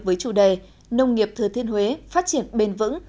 với chủ đề nông nghiệp thừa thiên huế phát triển bền vững